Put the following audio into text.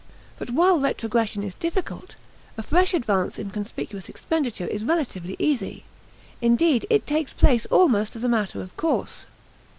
But while retrogression is difficult, a fresh advance in conspicuous expenditure is relatively easy; indeed, it takes place almost as a matter of course.